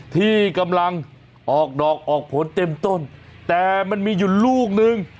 ที่กำลังออกดอกออกผลเต็มต้นแต่มันมีอยู่ลูกนึง